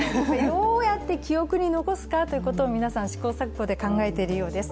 どうやって記憶に残すかということを皆さん試行錯誤で考えているようです。